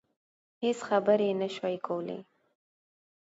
هېڅ خبرې يې نشوای کولای.